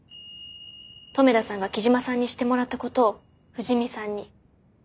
留田さんが木島さんにしてもらったことを藤見さんに。